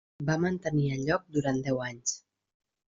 Va mantenir el lloc durant deu anys.